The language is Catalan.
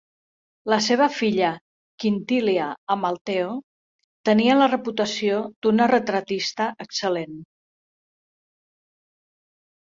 La seva filla Quintilia Amalteo tenia la reputació d'una retratista excel·lent.